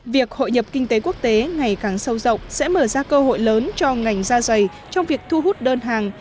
việc hội nhập kinh tế quốc tế ngày càng sâu rộng sẽ mở ra cơ hội lớn cho ngành da dày trong việc thu hút đơn hàng